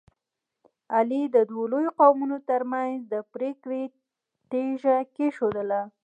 علي د دوو لویو قومونو ترمنځ د پرېکړې تیږه کېښودله.